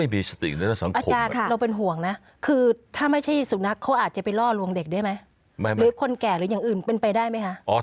ดิจับครูวงเด็กได้ไหมหรือคนแก่หรือยังอื่นเป็นไปได้ไหมคะ